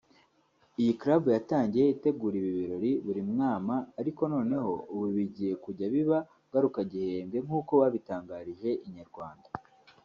Iyi Club yatangiye itegura ibi birori buri mwama ariko noneho ubu bigiye kujya biba ngarukagihembwe nkuko babitangarije Inyarwanda